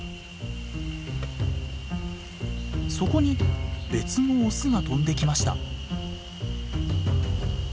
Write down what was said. そこに別のオスが飛んできました。